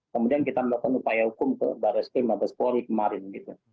kemudian kita melakukan upaya hukum ke baris krim atau spori kemarin